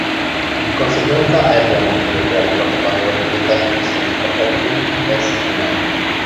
Di conseguenza è l'uomo che deve creare i propri valori e dargli un senso perché altrimenti essi non ne hanno.